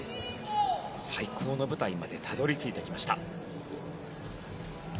最高の舞台までたどり着いてきました。